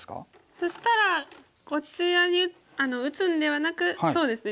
そしたらこちらに打つんではなくそうですね